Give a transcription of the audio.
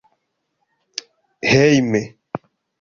hejme